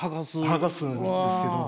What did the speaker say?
剥がすんですけど。